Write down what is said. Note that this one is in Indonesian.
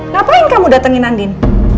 ngapain kamu datengin andin